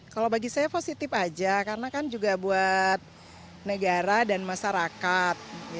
kalau bagi saya positif aja karena kan juga buat negara dan masyarakat